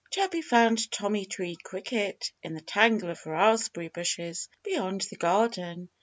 Chirpy found Tommy Tree Cricket in the tangle of raspberry bushes beyond the garden.